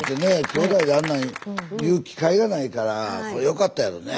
きょうだいであんなん言う機会がないからよかったよね。